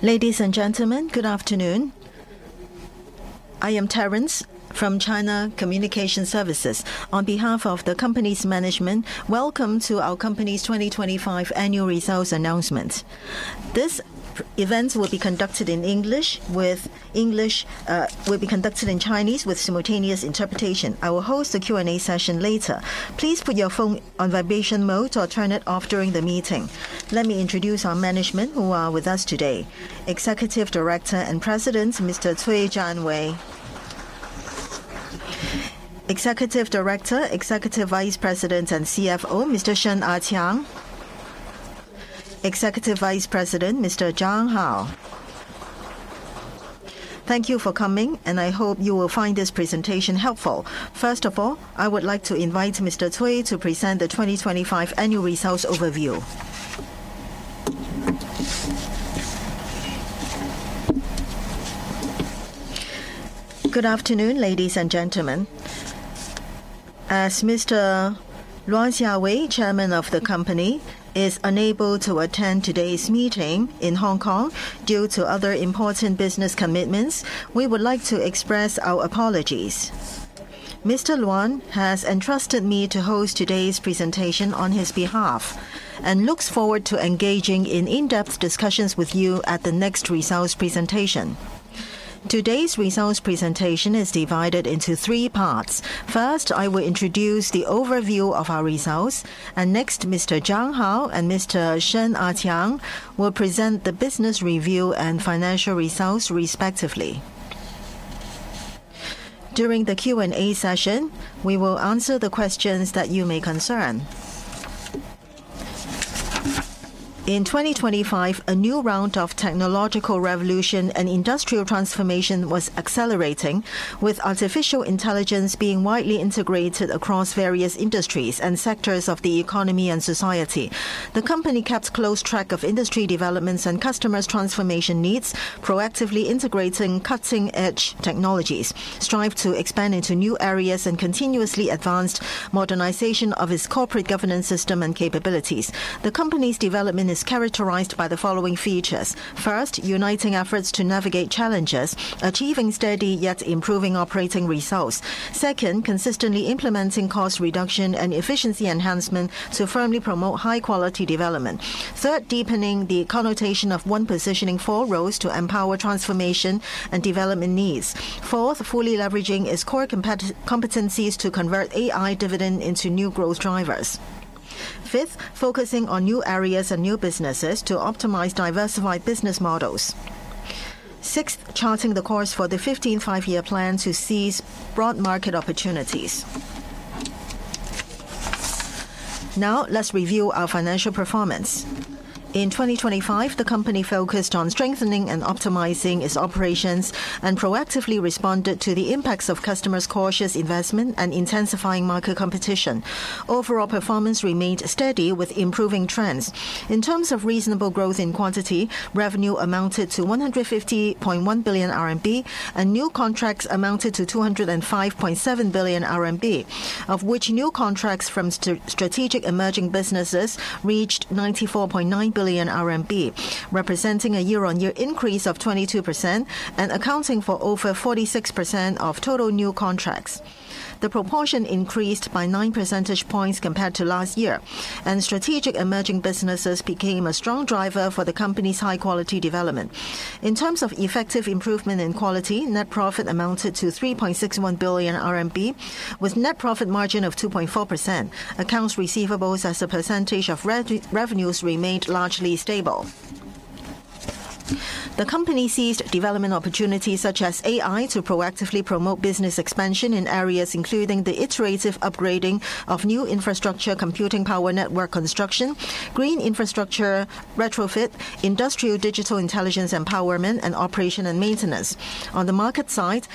Ladies and gentlemen, good afternoon. I am Terence from China Communications Services. On behalf of the company's management, welcome to our company's 2025 annual results announcement. This event will be conducted in Chinese with simultaneous interpretation. I will host the Q&A session later. Please put your phone on vibration mode or turn it off during the meeting. Let me introduce our management who are with us today. Executive Director and President, Mr. Cui Zhanwei. Executive Director, Executive Vice President and CFO, Mr. Shen Aqiang. Executive Vice President, Mr. Zhang Hao. Thank you for coming, and I hope you will find this presentation helpful. First of all, I would like to invite Mr. Cui to present the 2025 annual results overview. Good afternoon, ladies and gentlemen. As Mr. Luan Xiaowei, Chairman of the company, is unable to attend today's meeting in Hong Kong due to other important business commitments. We would like to express our apologies. Mr. Luan has entrusted me to host today's presentation on his behalf, and looks forward to engaging in-depth discussions with you at the next results presentation. Today's results presentation is divided into three parts. First, I will introduce the overview of our results, and next, Mr. Zhang Hao and Mr. Shen Aqiang will present the business review and financial results respectively. During the Q&A session, we will answer the questions that may concern you. In 2025, a new round of technological revolution and industrial transformation was accelerating, with artificial intelligence being widely integrated across various industries and sectors of the economy and society. The company kept close track of industry developments and customers' transformation needs, proactively integrating cutting-edge technologies, strived to expand into new areas and continuously advanced modernization of its corporate governance system and capabilities. The company's development is characterized by the following features: First, uniting efforts to navigate challenges, achieving steady yet improving operating results. Second, consistently implementing cost reduction and efficiency enhancement to firmly promote high-quality development. Third, deepening the connotation of 'One Positioning, Four Roles' to empower transformation and development needs. Fourth, fully leveraging its core competencies to convert AI dividend into new growth drivers. Fifth, focusing on new areas and new businesses to optimize diversified business models. Sixth, charting the course for the 15th Five-Year Plan to seize broad market opportunities. Now, let's review our financial performance. In 2025, the company focused on strengthening and optimizing its operations and proactively responded to the impacts of customers' cautious investment and intensifying market competition. Overall performance remained steady with improving trends. In terms of reasonable growth in quantity, revenue amounted to 150.1 billion RMB, and new contracts amounted to 205.7 billion RMB, of which new contracts from strategic emerging businesses reached 94.9 billion RMB, representing a year-on-year increase of 22% and accounting for over 46% of total new contracts. The proportion increased by nine percentage points compared to last year, and strategic emerging businesses became a strong driver for the company's high-quality development. In terms of effective improvement in quality, net profit amounted to 3.61 billion RMB, with net profit margin of 2.4%. Accounts receivable as a percentage of revenues remained largely stable. The company seized development opportunities such as AI to proactively promote business expansion in areas including the iterative upgrading of new infrastructure, computing power network construction, green infrastructure retrofit, industrial digital intelligence empowerment, and operation and maintenance. On the market side,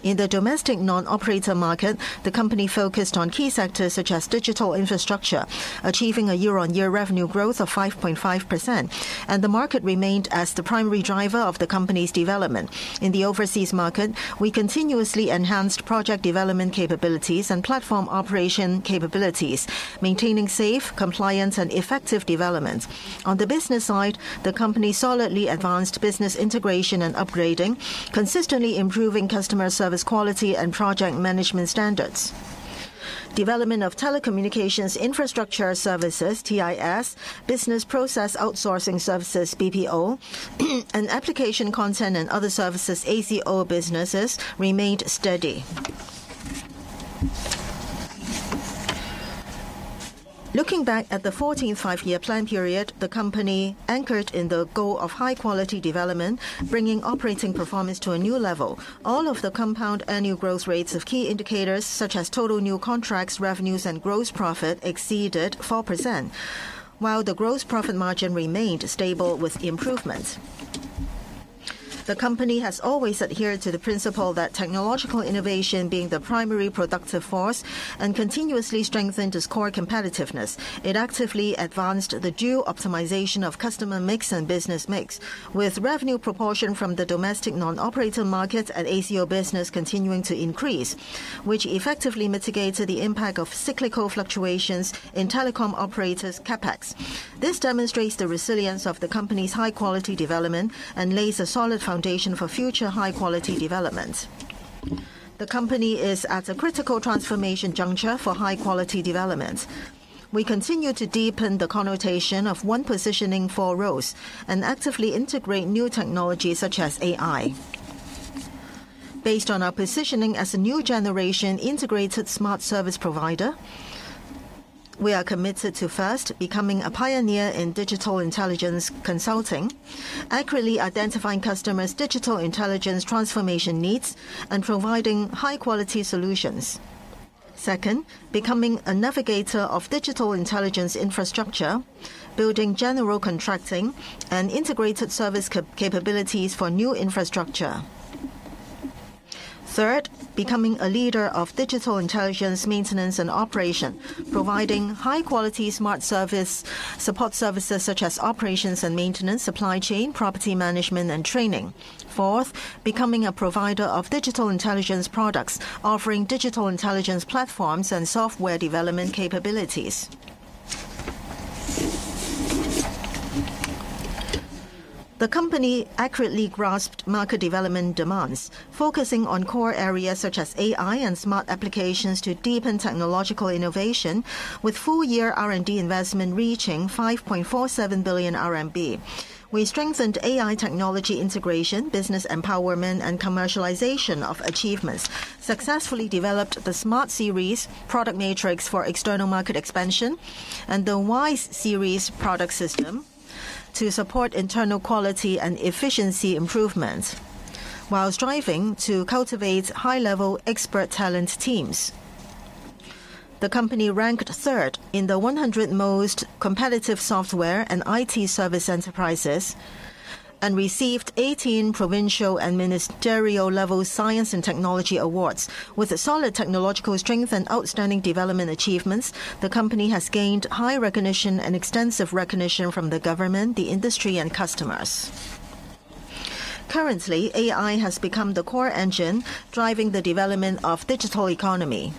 in the domestic operator market, the company proactively overcame the impact of changes in customer investment mix, maintaining a stable foundation. In the domestic non-operator market, the company focused on key sectors such as digital infrastructure, achieving a year-on-year revenue growth of 5.5%, and the market remained as the primary driver of the company's development. In the overseas market, we continuously enhanced project development capabilities and platform operation capabilities, maintaining safe, compliant, and effective development. On the business side, the company solidly advanced business integration and upgrading, consistently improving customer service quality and project management standards. Development of telecommunications infrastructure services (TIS), business process outsourcing services (BPO), and application content and other services (ACO) businesses remained steady. Looking back at the 14th Five-Year Plan period, the company anchored in the goal of high-quality development, bringing operating performance to a new level. All of the compound annual growth rates of key indicators such as total new contracts, revenues, and gross profit exceeded 4%. While the gross profit margin remained stable with improvements, the company has always adhered to the principle that technological innovation being the primary productive force and continuously strengthened its core competitiveness. It actively advanced the due optimization of customer mix and business mix. With revenue proportion from the domestic non-operator market and ACO business continuing to increase, which effectively mitigated the impact of cyclical fluctuations in telecom operators' CapEx, this demonstrates the resilience of the company's high-quality development and lays a solid foundation for future high-quality development. The company is at a critical transformation juncture for high-quality development. We continue to deepen the connotation of One Positioning, Four Roles, and actively integrate new technologies such as AI. Based on our positioning as a New Generation Integrated Smart Service Provider, we are committed to: first, becoming a pioneer in digital intelligence consulting, accurately identifying customers' digital intelligence transformation needs, and providing high-quality solutions. Second, becoming a navigator of digital intelligence infrastructure, building general contracting and integrated service capabilities for new infrastructure. Third, becoming a leader of digital intelligence maintenance and operation, providing high-quality smart service, support services such as operations and maintenance, supply chain, property management and training. Fourth, becoming a provider of digital intelligence products, offering digital intelligence platforms and software development capabilities. The company accurately grasped market development demands, focusing on core areas such as AI and smart applications to deepen technological innovation with full-year R&D investment reaching 5.47 billion RMB. We strengthened AI technology integration, business empowerment and commercialization of achievements. Successfully developed the Smart Series product matrix for external market expansion and the WISE Series product system to support internal quality and efficiency improvement, while striving to cultivate high-level expert talent teams. The company ranked third in the 100 most competitive software and IT service enterprises and received 18 provincial and ministerial-level science and technology awards. With a solid technological strength and outstanding development achievements, the company has gained high recognition and extensive recognition from the government, the industry and customers. Currently, AI has become the core engine driving the development of digital economy.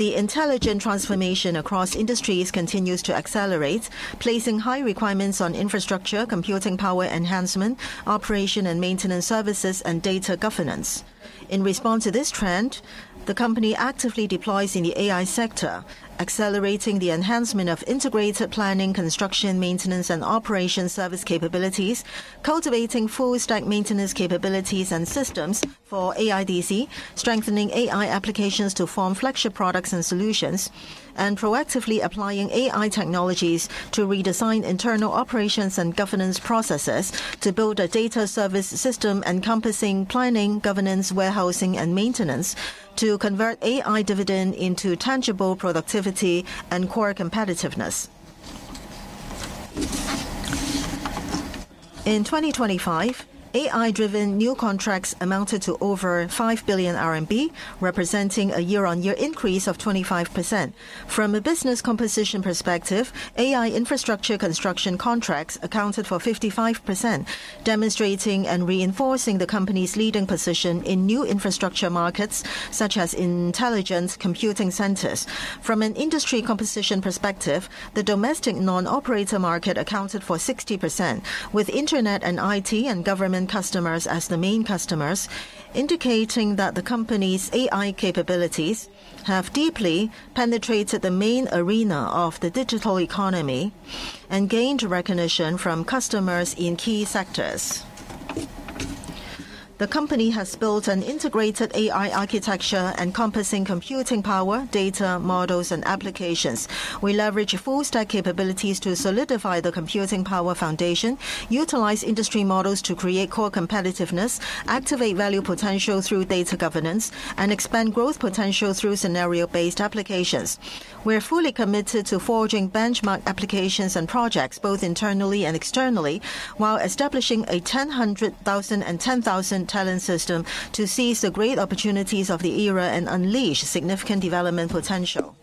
The intelligent transformation across industries continues to accelerate, placing high requirements on infrastructure, computing power enhancement, operation and maintenance services and data governance. In response to this trend, the company actively deploys in the AI sector, accelerating the enhancement of integrated planning, construction, maintenance and operation service capabilities, cultivating full stack maintenance capabilities and systems for AIDC, strengthening AI applications to form flagship products and solutions. Proactively applying AI technologies to redesign internal operations and governance processes to build a data service system encompassing planning, governance, warehousing and maintenance to convert AI dividend into tangible productivity and core competitiveness. In 2025, AI-driven new contracts amounted to over 5 billion RMB, representing a year-on-year increase of 25%. From a business composition perspective, AI infrastructure construction contracts accounted for 55%, demonstrating and reinforcing the company's leading position in new infrastructure markets such as intelligence computing centers. From an industry composition perspective, the domestic non-operator market accounted for 60%, with internet and IT and government customers as the main customers, indicating that the company's AI capabilities have deeply penetrated the main arena of the digital economy and gained recognition from customers in key sectors. The company has built an integrated AI architecture encompassing computing power, data, models and applications. We leverage full stack capabilities to solidify the computing power foundation, utilize industry models to create core competitiveness, activate value potential through data governance, and expand growth potential through scenario-based applications. We are fully committed to forging benchmark applications and projects both internally and externally, while establishing a 10,000 talent system to seize the great opportunities of the era and unleash significant development potential.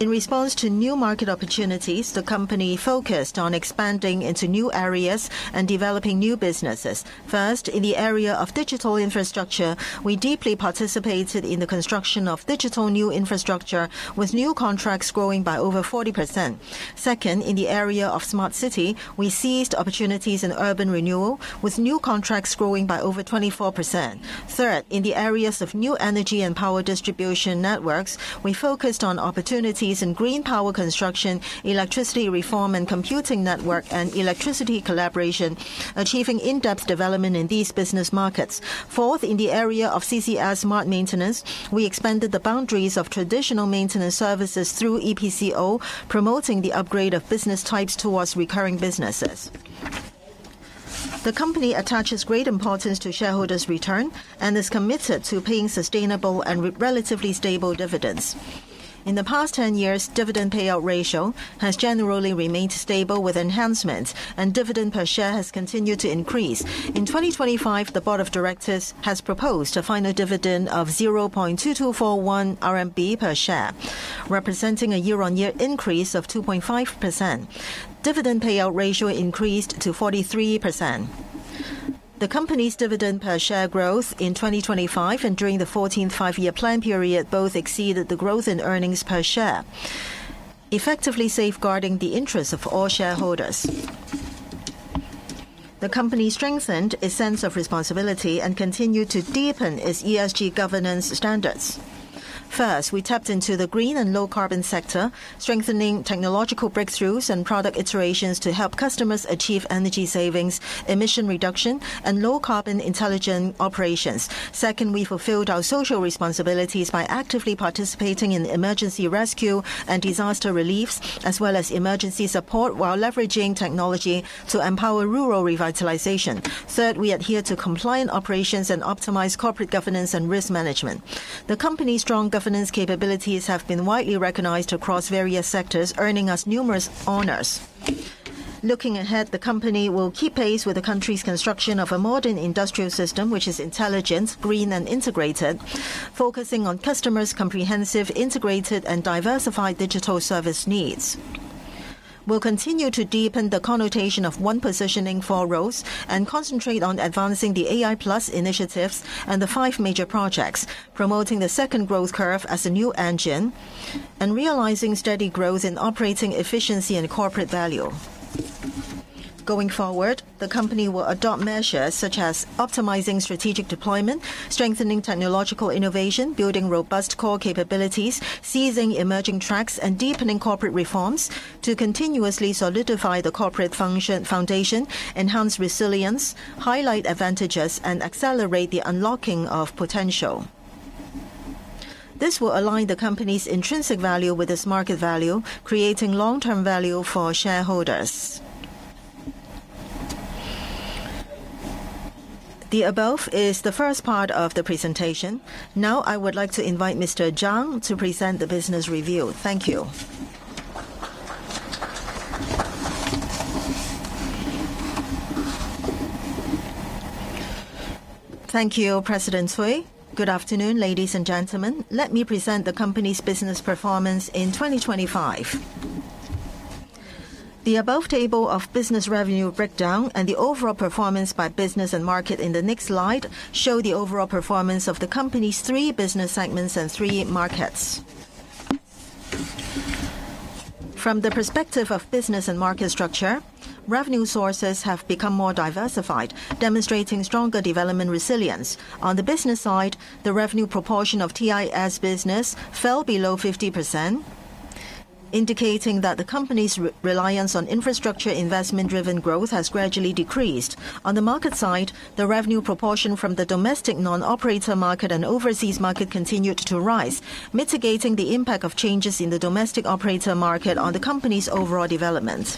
In response to new market opportunities, the company focused on expanding into new areas and developing new businesses. First, in the area of digital infrastructure, we deeply participated in the construction of digital new infrastructure, with new contracts growing by over 40%. Second, in the area of smart city, we seized opportunities in urban renewal, with new contracts growing by over 24%. Third, in the areas of new energy and power distribution networks, we focused on opportunities in green power construction, electricity reform and computing network and electricity collaboration, achieving in-depth development in these business markets. Fourth, in the area of CCS Smart Maintenance, we expanded the boundaries of traditional maintenance services through EPCO, promoting the upgrade of business types towards recurring businesses. The company attaches great importance to shareholders' return and is committed to paying sustainable and relatively stable dividends. In the past 10 years, dividend payout ratio has generally remained stable with enhancements, and dividend per share has continued to increase. In 2025, the Board of Directors has proposed a final dividend of 0.2241 RMB per share, representing a year-on-year increase of 2.5%. Dividend payout ratio increased to 43%. The company's dividend per share growth in 2025 and during the 14th Five-Year Plan period both exceeded the growth in earnings per share, effectively safeguarding the interests of all shareholders. The company strengthened its sense of responsibility and continued to deepen its ESG governance standards. First, we tapped into the green and low-carbon sector, strengthening technological breakthroughs and product iterations to help customers achieve energy savings, emission reduction, and low-carbon intelligent operations. Second, we fulfilled our social responsibilities by actively participating in emergency rescue and disaster reliefs, as well as emergency support while leveraging technology to empower rural revitalization. Third, we adhere to compliant operations and optimize corporate governance and risk management. The company's strong governance capabilities have been widely recognized across various sectors, earning us numerous honors. Looking ahead, the company will keep pace with the country's construction of a modern industrial system, which is intelligent, green and integrated, focusing on customers' comprehensive, integrated and diversified digital service needs. We'll continue to deepen the connotation of One Positioning, Four Roles and concentrate on advancing the AI Plus initiatives and the Five Major Projects, promoting the second growth curve as a new engine, and realizing steady growth in operating efficiency and corporate value. Going forward, the company will adopt measures such as optimizing strategic deployment, strengthening technological innovation, building robust core capabilities, seizing emerging tracks, and deepening corporate reforms to continuously solidify the corporate foundation, enhance resilience, highlight advantages, and accelerate the unlocking of potential. This will align the company's intrinsic value with its market value, creating long-term value for shareholders. The above is the first part of the presentation. Now I would like to invite Mr. Zhang to present the business review. Thank you. Thank you, President Cui. Good afternoon, ladies and gentlemen. Let me present the company's business performance in 2025. The above table of business revenue breakdown and the overall performance by business and market in the next slide show the overall performance of the company's three business segments and three markets. From the perspective of business and market structure, revenue sources have become more diversified, demonstrating stronger development resilience. On the business side, the revenue proportion of TIS business fell below 50%, indicating that the company's reliance on infrastructure investment-driven growth has gradually decreased. On the market side, the revenue proportion from the domestic non-operator market and overseas market continued to rise, mitigating the impact of changes in the domestic operator market on the company's overall development.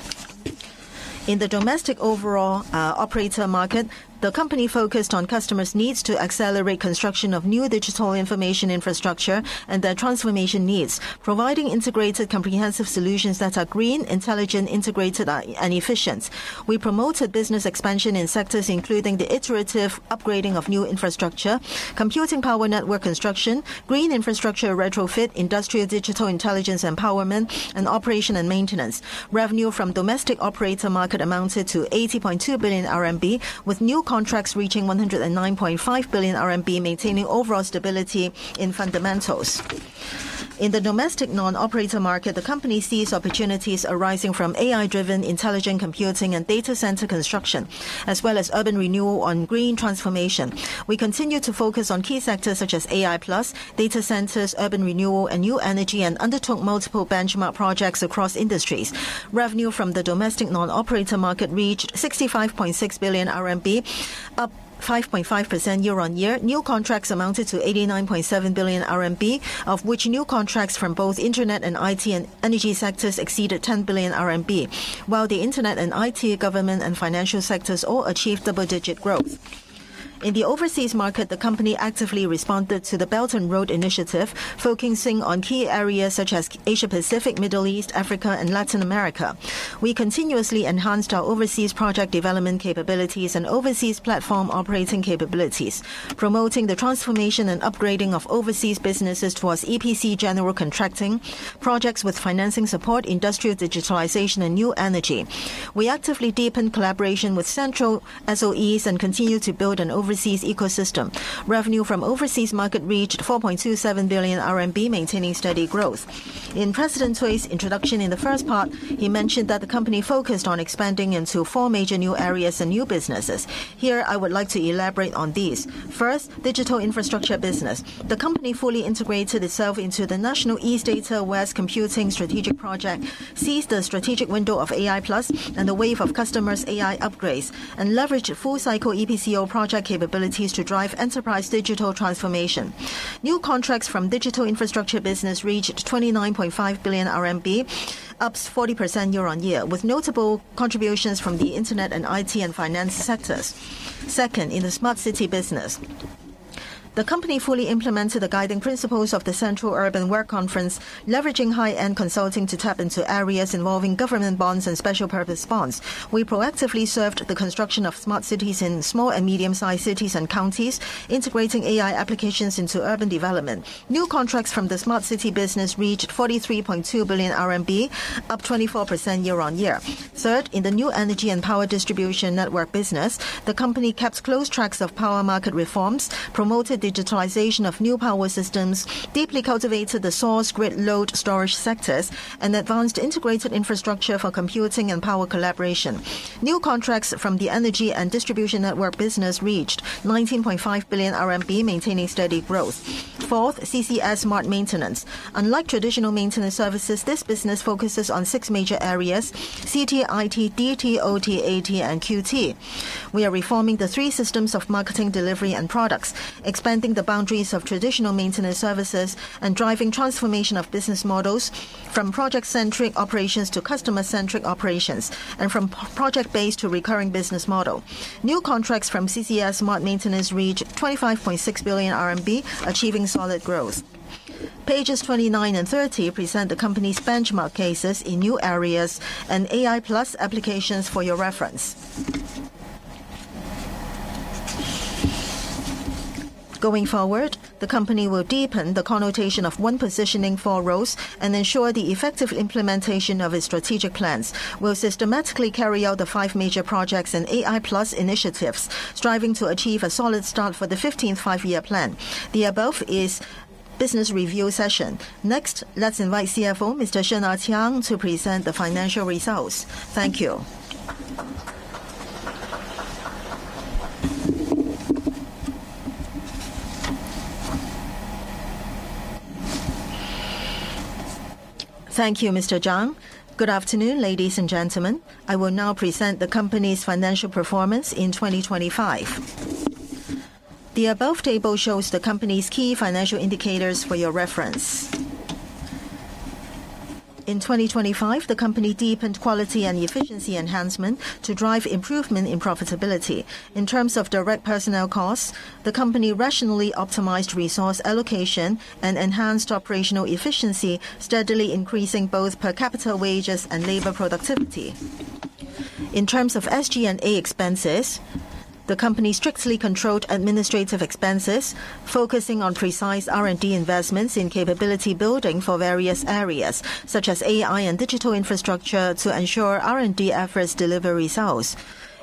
In the domestic overall operator market, the company focused on customers' needs to accelerate construction of new digital information infrastructure and their transformation needs, providing integrated comprehensive solutions that are green, intelligent, integrated, and efficient. We promoted business expansion in sectors including the iterative upgrading of new infrastructure, computing power network construction, green infrastructure retrofit, industrial digital intelligence empowerment, and operation and maintenance. Revenue from domestic operator market amounted to 80.2 billion RMB, with new contracts reaching 109.5 billion RMB, maintaining overall stability in fundamentals. In the domestic non-operator market, the company sees opportunities arising from AI-driven intelligent computing and data center construction, as well as urban renewal on green transformation. We continue to focus on key sectors such as AI Plus, data centers, urban renewal, and new energy, and undertook multiple benchmark projects across industries. Revenue from the domestic non-operator market reached 65.6 billion RMB, up 5.5% year-over-year. New contracts amounted to 89.7 billion RMB. Of which new contracts from both internet and IT and energy sectors exceeded 10 billion RMB, while the internet and IT, government and financial sectors all achieved double-digit growth. In the overseas market, the company actively responded to the Belt and Road Initiative, focusing on key areas such as Asia-Pacific, Middle East, Africa, and Latin America. We continuously enhanced our overseas project development capabilities and overseas platform operating capabilities, promoting the transformation and upgrading of overseas businesses towards EPC general contracting, projects with financing support, industrial digitalization and new energy. We actively deepened collaboration with central SOEs and continue to build an overseas ecosystem. Revenue from overseas market reached 4.27 billion RMB, maintaining steady growth. In President Cui's introduction in the first part, he mentioned that the company focused on expanding into four major new areas and new businesses. Here, I would like to elaborate on these. First, digital infrastructure business. The company fully integrated itself into the national East Data, West Computing strategic project, seized the strategic window of AI Plus and the wave of customers' AI upgrades, and leveraged full-cycle EPCO project capabilities to drive enterprise digital transformation. New contracts from digital infrastructure business reached 29.5 billion RMB, up 40% year-on-year, with notable contributions from the internet and IT and finance sectors. Second, in the smart city business. The company fully implemented the guiding principles of the Central Urban Work Conference, leveraging high-end consulting to tap into areas involving government bonds and special purpose bonds. We proactively served the construction of smart cities in small and medium-sized cities and counties, integrating AI applications into urban development. New contracts from the smart city business reached 43.2 billion RMB, up 24% year-on-year. Third, in the new energy and power distribution network business, the company kept close tracks of power market reforms, promoted digitalization of new power systems, deeply cultivated the source-grid-load-storage sectors, and advanced integrated infrastructure for computing and power collaboration. New contracts from the energy and distribution network business reached 19.5 billion RMB, maintaining steady growth. Fourth, CCS Smart Maintenance. Unlike traditional maintenance services, this business focuses on six major areas: CT, IT, DT, OT, AT, and QT. We are reforming the three systems of marketing, delivery, and products, expanding the boundaries of traditional maintenance services and driving transformation of business models from project-centric operations to customer-centric operations and from project base to recurring business model. New contracts from CCS Smart Maintenance reached 25.6 billion RMB, achieving solid growth. Pages 29 and 30 present the company's benchmark cases in new areas and AI Plus applications for your reference. Going forward, the company will deepen the connotation of one Positioning, 4 Roles, and ensure the effective implementation of its strategic plans. We'll systematically carry out the Five Major Projects and AI Plus initiatives, striving to achieve a solid start for the 15th Five-Year Plan. The above is business review session. Next, let's invite CFO, Mr. Shen Aqiang, to present the financial results. Thank you. Thank you, Mr. Zhang. Good afternoon, ladies and gentlemen. I will now present the company's financial performance in 2025. The above table shows the company's key financial indicators for your reference. In 2025, the company deepened quality and efficiency enhancement to drive improvement in profitability. In terms of direct personnel costs, the company rationally optimized resource allocation and enhanced operational efficiency, steadily increasing both per capita wages and labor productivity. In terms of SG&A expenses, the company strictly controlled administrative expenses, focusing on precise R&D investments in capability building for various areas, such as AI and digital infrastructure, to ensure R&D efforts deliver results.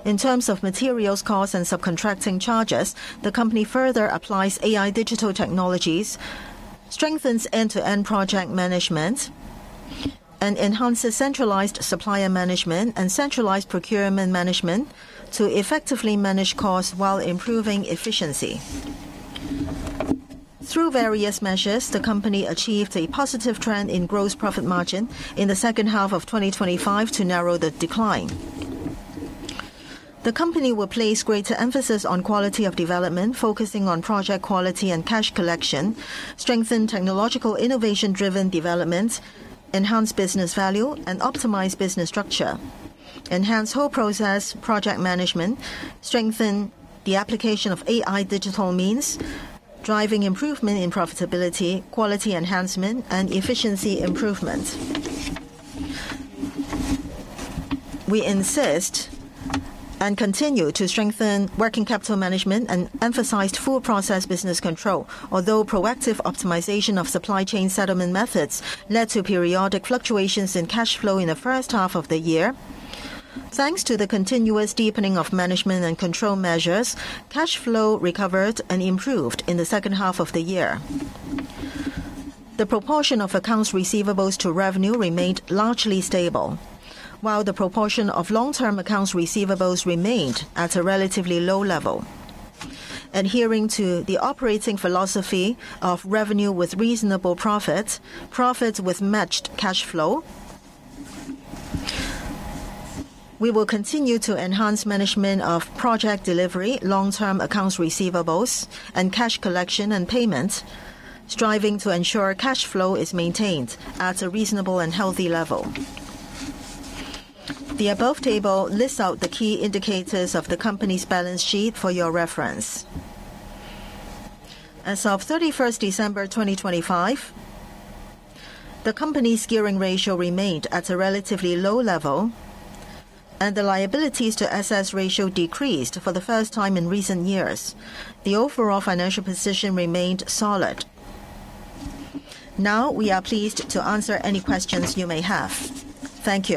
In terms of materials cost and subcontracting charges, the company further applies AI digital technologies, strengthens end-to-end project management, and enhances centralized supplier management and centralized procurement management to effectively manage costs while improving efficiency. Through various measures, the company achieved a positive trend in gross profit margin in the second half of 2025 to narrow the decline. The company will place greater emphasis on quality of development, focusing on project quality and cash collection; strengthen technological innovation-driven developments, enhance business value, and optimize business structure; enhance whole process project management; and strengthen the application of AI digital means, driving improvement in profitability, quality enhancement, and efficiency improvement. We insist and continue to strengthen working capital management and emphasize full process business control. Although proactive optimization of supply chain settlement methods led to periodic fluctuations in cash flow in the first half of the year, thanks to the continuous deepening of management and control measures, cash flow recovered and improved in the second half of the year. The proportion of accounts receivables to revenue remained largely stable, while the proportion of long-term accounts receivables remained at a relatively low level. Adhering to the operating philosophy of revenue with reasonable profit with matched cash flow, we will continue to enhance management of project delivery, long-term accounts receivables, and cash collection and payments, striving to ensure cash flow is maintained at a reasonable and healthy level. The above table lists out the key indicators of the company's balance sheet for your reference. As of 31st December 2025, the company's gearing ratio remained at a relatively low level, and the liabilities to assets ratio decreased for the first time in recent years. The overall financial position remained solid. Now, we are pleased to answer any questions you may have. Thank you.